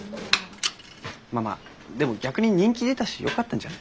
まあまあでも逆に人気出たしよかったんじゃない？